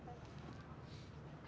hanya pengen cerita sama kamu